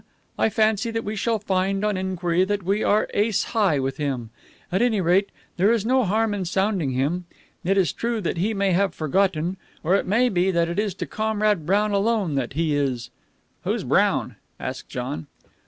I fancy that we shall find, on enquiry, that we are ace high with him. At any rate, there is no harm in sounding him. It is true that he may have forgotten, or it may be that it is to Comrade Brown alone that he is " "Who's Brown?" asked John.